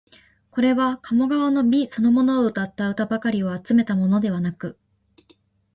これは鴨川の美そのものをうたった歌ばかりを集めたものではなく、